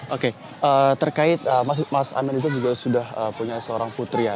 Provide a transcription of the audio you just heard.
oke terkait mas amin rizal juga sudah punya seorang putri ya